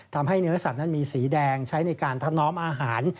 ทำให้เนื้อสัตว์นั้นมีสีแดงใช้ในการทัดน้อมอาหาร